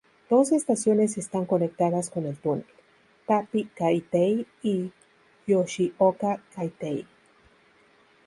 Dos estaciones están conectadas con el túnel: Tappi-Kaitei y Yoshioka-Kaitei.